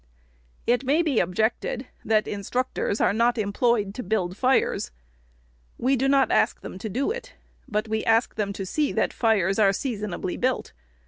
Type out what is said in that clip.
It may be objected, that instructors are not employed to build fires. We do not ask them to do it ; but we ask them to see that fires are seasonably built.